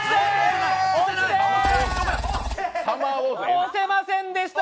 押せませんでした！